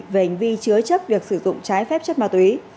về hành vi chứa chấp việc sử dụng trái phép chất ma túy